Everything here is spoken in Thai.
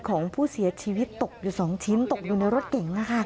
ของผู้เสียชีวิตตกอยู่๒ชิ้นตกอยู่ในรถเก๋ง